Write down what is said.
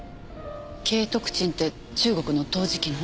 景徳鎮って中国の陶磁器の？